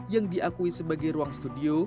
yang diakui sebagai ruang studio